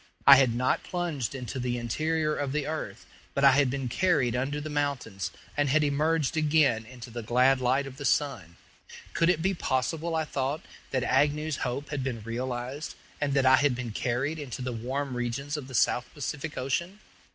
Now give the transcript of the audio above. I had not plunged into the interior of the earth, but I had been carried under the mountains, and had emerged again into the glad light of the sun. Could it be possible, I thought, that Agnew's hope had been realized, and that I had been carried into the warm regions of the South Pacific Ocean?